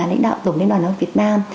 lãnh đạo tổng liên đoàn học việt nam